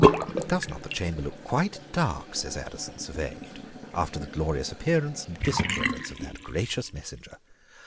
"Does not the chamber look quite dark?" says Addison, surveying it, "after the glorious appearance and disappearance of that gracious messenger?